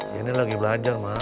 ya ini lagi belajar mas